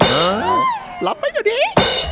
เออรับไปอย่างนี้